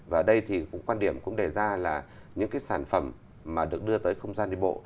và đây thì quan điểm cũng đề ra là những sản phẩm được đưa tới không gian đi bộ